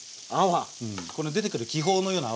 この出てくる気泡のような泡がある。